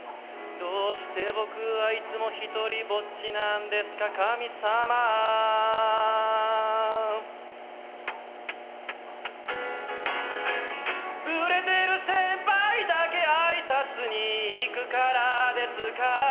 「どうして僕はいつも１人ぼっちなんですか神様」「売れてる先輩だけ挨拶に行くからですか？」